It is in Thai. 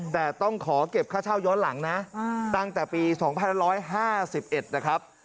แต่ต้องขอเก็บค่าเช่าย้อนหลังนะตั้งแต่ปีสองพันร้อยห้าสิบเอ็ดนะครับ